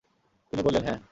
তিনি বললেনঃ হ্যাঁ।